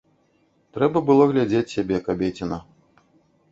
Трэба было глядзець сябе, кабеціна.